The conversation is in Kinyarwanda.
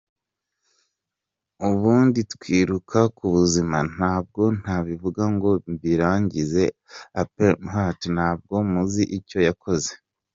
Ubundi twiruka kubuzima, ntabwo nabivuga ngo mbirangize aparmehutu ntabwo muzi icyo yakoze ?